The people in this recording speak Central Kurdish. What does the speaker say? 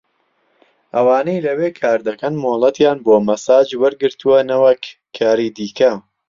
ئەوانەی لەوێ کاردەکەن مۆڵەتیان بۆ مەساج وەرگرتووە نەوەک کاری دیکە